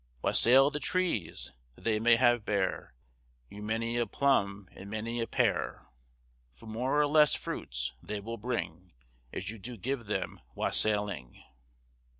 "Wassaile the trees, that they may beare You many a plumb, and many a peare; For more or less fruits they will bring, As you doe give them wassailing."